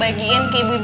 hal ini moving